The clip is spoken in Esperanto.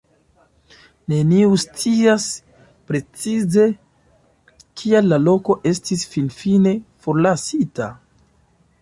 Neniu scias precize, kial la loko estis finfine forlasita.